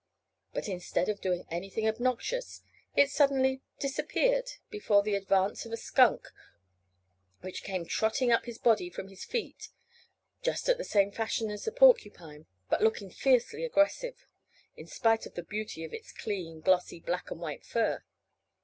But instead of doing anything obnoxious it suddenly disappeared before the advance of a skunk, which came trotting up his body from his feet, just after the same fashion as the porcupine, but looking fiercely aggressive, in spite of the beauty of its clean, glossy, black and white fur.